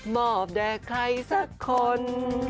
อบแด่ใครสักคน